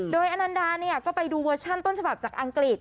โดยอนันดาเนี่ยก็ไปดูเวอร์ชั่นต้นฉบับจากอังกฤษ